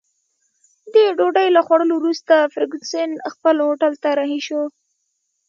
د ډوډۍ له خوړلو وروسته فرګوسن خپل هوټل ته رهي شوه.